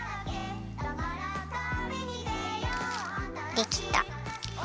できた。